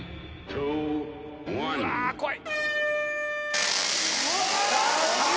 うわ怖い！